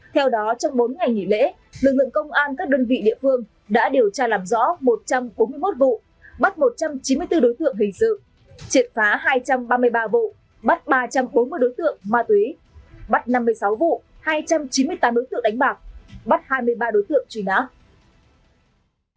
theo đó trong bốn ngày nghỉ lễ lực lượng công an các đơn vị địa phương đã điều tra làm rõ một trăm bốn mươi một vụ bắt một trăm chín mươi bốn đối tượng hình sự triệt phá hai trăm ba mươi ba vụ bắt ba trăm bốn mươi đối tượng ma túy bắt năm mươi sáu vụ hai trăm chín mươi tám đối tượng đánh bạc bắt hai mươi ba đối tượng truy nã